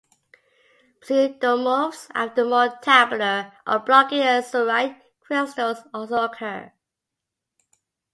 Pseudomorphs after more tabular or blocky azurite crystals also occur.